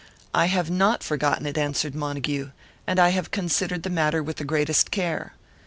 "I have not forgotten it," answered Montague. "And I have considered the matter with the greatest care.